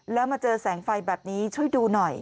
แล้วมาเจอแสงไฟแบบนี้ช่วยดูหน่อย